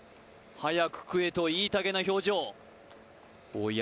早く食えと言いたげな表情おや？